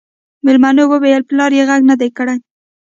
مېلمو وويل پلار يې غږ نه دی کړی.